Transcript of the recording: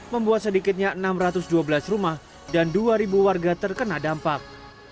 membuat sedikitnya enam ratus dua belas rumah dan dua warga terkena dampak